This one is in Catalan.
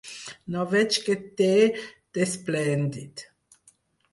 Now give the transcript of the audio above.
No veig què té d'esplèndid.